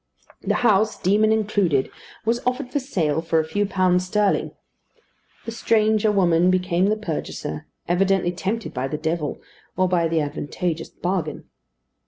The house, demon included, was offered for sale for a few pounds sterling. The stranger woman became the purchaser, evidently tempted by the devil, or by the advantageous bargain.